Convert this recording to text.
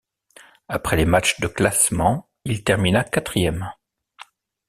Après les matchs de classement, il termina quatrième.